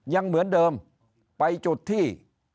ยังเหมือนเดิมไปจุดที่